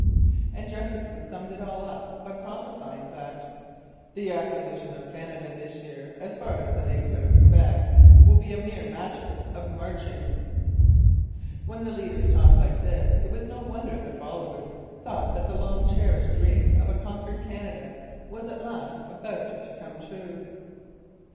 And Jefferson summed it all up by prophesying that 'the acquisition of Canada this year, as far as the neighbourhood of Quebec, will be a mere matter of marching.' When the leaders talked like this, it was no wonder their followers thought that the long cherished dream of a conquered Canada was at last about to come true.